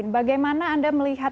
bagaimana anda melihat